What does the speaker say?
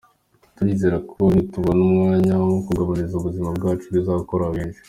Turizera ko nitubona umwanya wo kuganiriramo ubuzima bwacu bizarokora benshi.